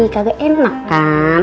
kagak enak kan